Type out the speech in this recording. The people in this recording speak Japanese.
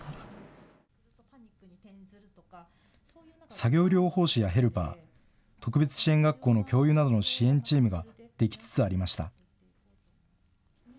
作業療法士やヘルパー、特別支援学校の教諭などの支援チームが出来つつありました。